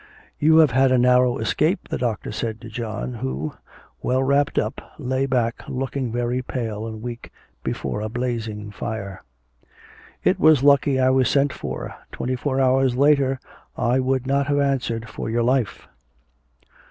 'You have had a narrow escape,' the doctor said to John, who, well wrapped up, lay back, looking very pale and weak, before a blazing fire. 'It was lucky I was sent for. Twenty four hours later I would not have answered for your life.'